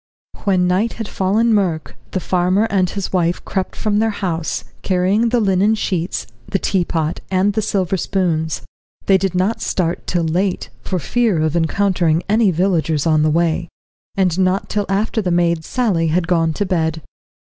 When night had fallen murk, the farmer and his wife crept from their house, carrying the linen sheets, the teapot, and the silver spoons. They did not start till late, for fear of encountering any villagers on the way, and not till after the maid, Sally, had gone to bed.